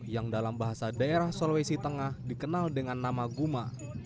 yang dalam bahasa daerah sulawesi tengah dikenal dengan nama guma